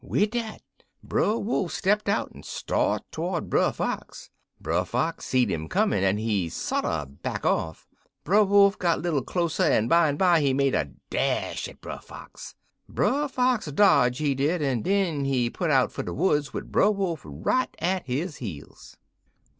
"Wid dat Brer Wolf stepped out, en start to'rds Brer Fox. Brer Fox seed 'im comin', en he sorter back off. Brer Wolf got little closer, en bimeby he make a dash at Brer Fox. Brer Fox dodge, he did, en den he put out fer de woods wid Brer Wolf right at his heels.